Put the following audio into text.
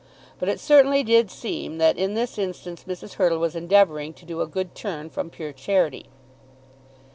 But it certainly did seem that in this instance Mrs. Hurtle was endeavouring to do a good turn from pure charity.